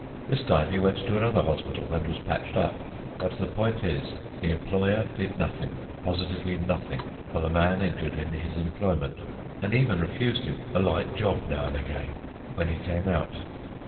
This time he went to another hospital and was patched up. But the point is, the employer did nothing, positively nothing, for the man injured in his employment, and even refused him "a light job now and again," when he came out.